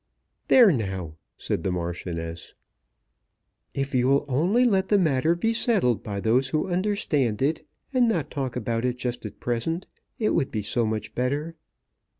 "There now!" said the Marchioness. "If you will only let the matter be settled by those who understand it, and not talk about it just at present, it would be so much better."